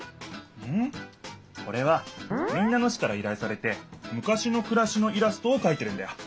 これは民奈野市からいらいされてむかしのくらしのイラストをかいているんだよ。